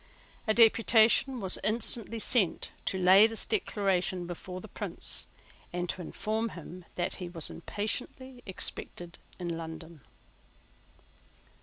A deputation was instantly sent to lay this Declaration before the Prince, and to inform him that he was impatiently expected in London.